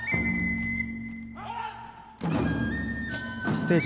ステージ